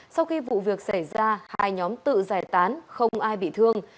sau khi vụ việc xảy ra hai nhóm tự giải tán không ai bị thương